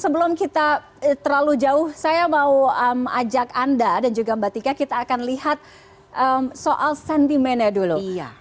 sebelum kita terlalu jauh saya mau ajak anda dan juga mbak tika kita akan lihat soal sentimennya dulu